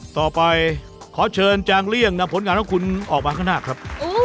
ต่อไปขอเชิญจางเลี่ยงนำผลงานของคุณออกมาข้างหน้าครับ